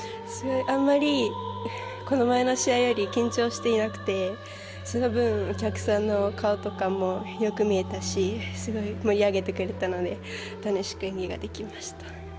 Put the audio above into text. あんまりこの前の試合より緊張していなくてその分、お客さんの顔とかもよく見えたしすごい盛り上げてくれたので楽しく演技ができました。